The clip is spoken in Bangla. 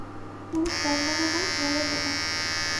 পুরুষ জন্মানও না, মরেনও না।